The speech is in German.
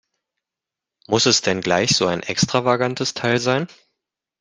Muss es denn gleich so ein extravagantes Teil sein?